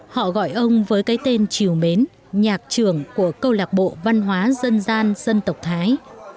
họ gọi ông với cái tên triều mến nhạc trưởng của câu lạc bộ văn hóa dân gian dân tộc thái